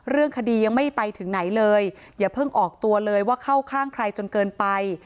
เรื่องคดียังไม่ไปถึงไหนเลยอย่าเพิ่งออกตัวเลยว่าเข้าข้างใครจนเกินไป